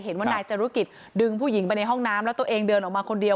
เห็นว่านายจรุกิจดึงผู้หญิงไปในห้องน้ำแล้วตัวเองเดินออกมาคนเดียว